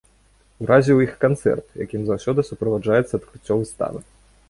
Уразіў іх і канцэрт, якім заўсёды суправаджаецца адкрыццё выставы.